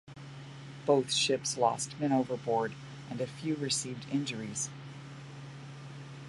Both ships lost men overboard, and a few received injuries.